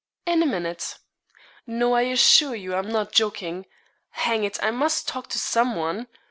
'In a minute. No, I assure you, I'm not joking. Hang it! I must talk to some one.